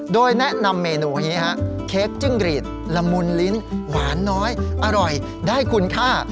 โดยแนะนำเมนูนี้ฮะเค้กจิ้งรีดละมุนลิ้นหวานน้อยอร่อยได้คุณค่า